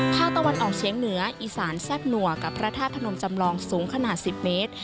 ภาคตะวันออกเฉียงเหนืออีสานแซ่บหนัวกับพระธาตุพนมจำลองสูงขนาด๑๐เมตร